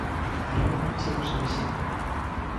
A Roma segue o seu exemplo.